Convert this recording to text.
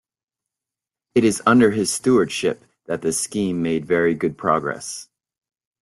It is under his stewardship that this scheme made very good progress.